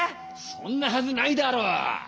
そんなはずないだろ。